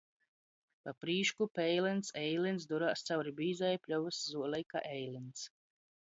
Pa prīšku peilyns Eilyns durās cauri bīzajai pļovys zuolei kai eilyns.